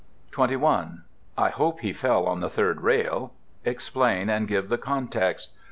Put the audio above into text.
21. "I hope he fell on the third rail." Explain, and give the context.